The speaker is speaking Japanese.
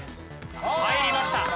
入りました。